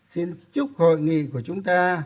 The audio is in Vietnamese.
xin chúc hội nghị của chúng ta